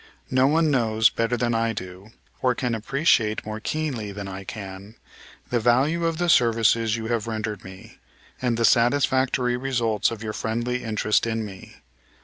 No one knows better than I do, or can appreciate more keenly than I can, the value of the services you have rendered me, and the satisfactory results of your friendly interest in me.